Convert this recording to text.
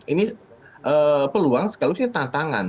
ini peluang sekaligus ini tantangan